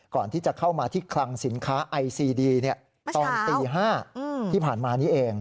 ก่อนที่จะเข้ามาที่คลังสินค้าไอซีดีตอนตี๕ที่ผ่านมานี้เอง